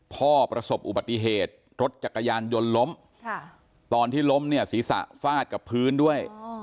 ประสบอุบัติเหตุรถจักรยานยนต์ล้มตอนที่ล้มเนี่ยศีรษะฟาดกับพื้นด้วย